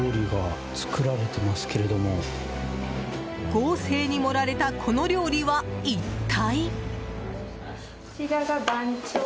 豪勢に盛られたこの料理は、一体？